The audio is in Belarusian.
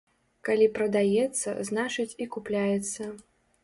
Калі прадаецца, значыць і купляецца.